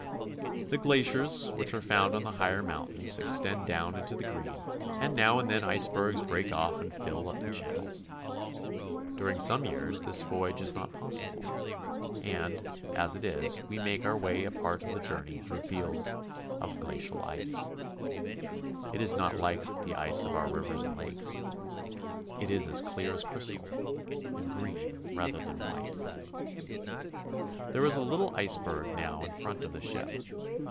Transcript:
The glaciers which are found on the higher mountains extend down into the green, and now and then icebergs break off and fill up the channels. During some years this voyage is not possible, and, as it is, we make our way a part of the journey through fields of glacial ice. It is not like the ice of our rivers and lakes. It is as clear as crystal, and green rather than white. There is a little iceberg now in front of the ship.